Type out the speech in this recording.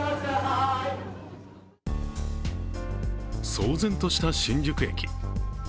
騒然とした新宿駅。